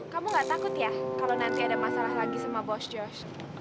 kamu gak takut ya kalau nanti ada masalah lagi sama bos george